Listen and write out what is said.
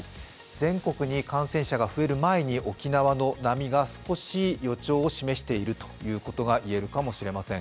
全国に感染者が増える前に沖縄の波が少し予兆を示しているということが言えるかもしれません。